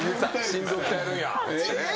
心臓を鍛えるんや。